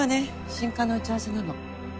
新刊の打ち合わせなの。